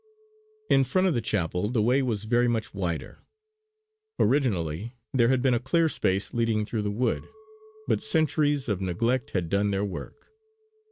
In front of the chapel the way was very much wider. Originally there had been a clear space leading through the wood: but centuries of neglect had done their work.